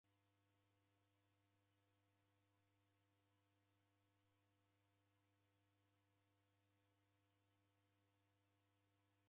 Ihi bahari yaw'onekana ipoie shuu ngelo ra luma lwa kenyi.